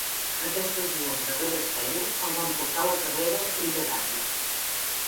Aquestes dues darreres feines el van portar a la carrera literària.